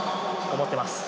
思っています。